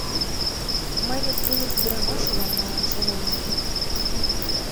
Мый вет тулык ӱдырамаш улам манын шонем ыле.